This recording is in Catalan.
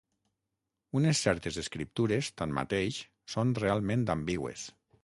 Unes certes escriptures, tanmateix, són realment ambigües.